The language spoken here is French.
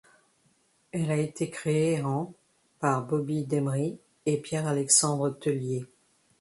Elle a été créée en par Bobby Demri et Pierre-Alexandre Teulié.